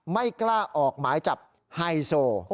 ไม่กล้าออกหมายจับไฮโซ